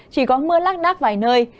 chỉ có mưa lắc đắc vài nơi